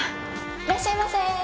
いらっしゃいませ。